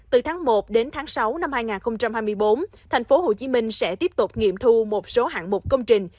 từ tháng một đến tháng sáu năm hai nghìn hai mươi bốn tp hcm sẽ tiếp tục nghiệm thu một số hạng mục công trình